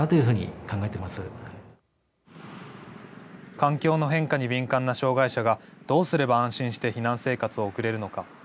環境の変化に敏感な障害者がどうすれば安心して避難生活を送れるのか。